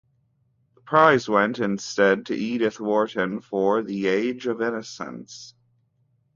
The prize went, instead, to Edith Wharton for "The Age of Innocence".